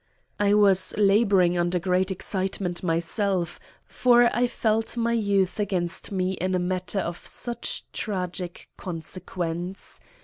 I was laboring under great excitement myself, for I felt my youth against me in a matter of such tragic consequence.